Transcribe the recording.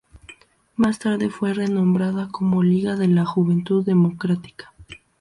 Más tarde, fue renombrada como Liga de la Juventud Democrática.